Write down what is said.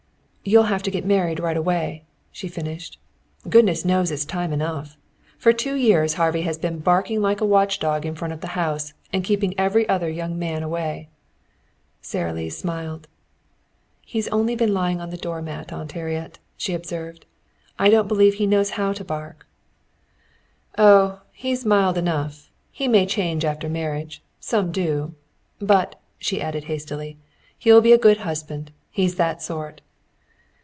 "You'll have to get married right away," she finished. "Goodness knows it's time enough! For two years Harvey has been barking like a watchdog in front of the house and keeping every other young man away." Sara Lee smiled. "He's only been lying on the doormat, Aunt Harriet," she observed. "I don't believe he knows how to bark." "Oh, he's mild enough. He may change after marriage. Some do. But," she added hastily, "he'll be a good husband. He's that sort."